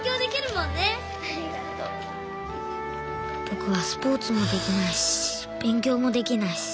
ぼくはスポーツもできないしべん強もできないし。